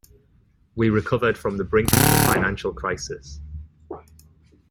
We recovered from the brink of a financial crisis.